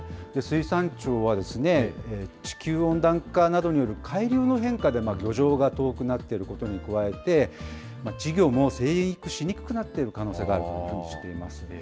水産庁は、地球温暖化などによる海流の変化で、漁場が遠くなっていることに加えて、稚魚も成育しにくくなっている可能性があるというふうにしています。